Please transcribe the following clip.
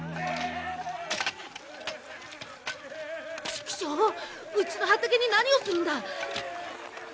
チクショウうちの畑に何をするんだ！